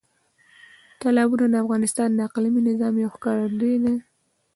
تالابونه د افغانستان د اقلیمي نظام یو ښکارندوی دی.